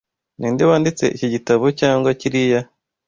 Ninde wanditse iki gitabo cyangwa kiriya?